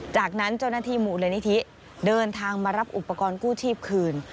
จากนั้นเจ้าหน้าที่มูลนิธิเดินทางมารับอุปกรณ์กู้ชีพคืน